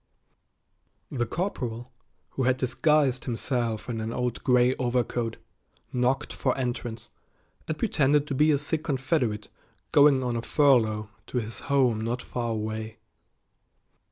The corporal, who had disguised himself in an old gray overcoat, knocked for entrance, and pretended to be a sick Confederate going on a furlough to his home not far away.